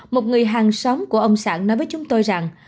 một người hàng xóm của ông sản nói với chúng tôi rằng